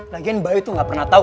lagian bayu itu gak pernah tahu